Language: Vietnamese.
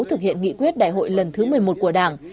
thực hiện nghị quyết đại hội lần thứ một mươi một của đảng